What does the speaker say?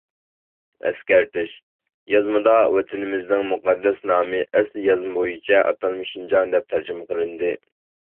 ئەسكەرتىش: يازمىدا ۋەتىنىمىزنىڭ مۇقەددەس نامى ئەسلى يازما بويىچە ئاتالمىش «شىنجاڭ» دەپ تەرجىمە قىلىندى.